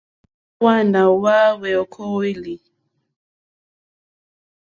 Nɛh Hwaana na hweyokoeli?